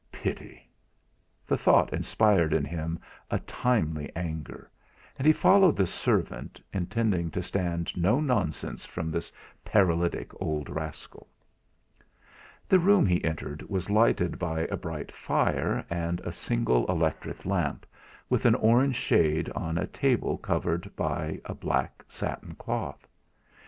Pity! The thought inspired in him a timely anger; and he followed the servant, intending to stand no nonsense from this paralytic old rascal. The room he entered was lighted by a bright fire, and a single electric lamp with an orange shade on a table covered by a black satin cloth.